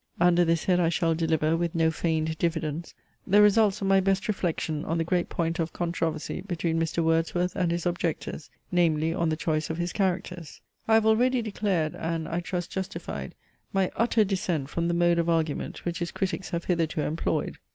Under this head I shall deliver, with no feigned diffidence, the results of my best reflection on the great point of controversy between Mr. Wordsworth and his objectors; namely, on the choice of his characters. I have already declared, and, I trust justified, my utter dissent from the mode of argument which his critics have hitherto employed.